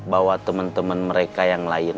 bahwa teman teman mereka yang lain